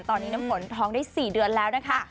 ตอนนี้น้ำฝนท้องได้๔เดือนแล้วนะคะ